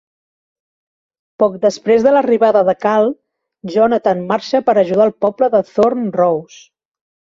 Poc després de l'arribada de Karl, Jonatan marxa per ajudar el poble de Thorn Rose.